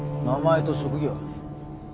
名前と職業。